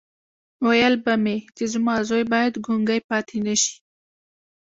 ويل به مې چې زما زوی بايد ګونګی پاتې نه شي.